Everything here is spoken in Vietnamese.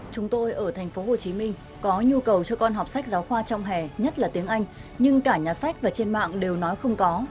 chúng tôi ở tp hcm có nhu cầu cho con học sách giáo khoa trong hè nhất là tiếng anh nhưng cả nhà sách và trên mạng đều nói không có